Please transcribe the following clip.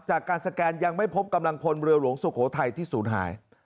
จากการสแกนยังไม่พบกำลังพลเรือหลวงสุโขทัยที่ศูนย์หาย